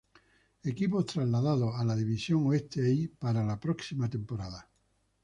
Equipos trasladados a la división Oeste-I para la próxima temporada.